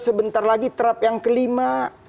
sebentar lagi terap yang kelima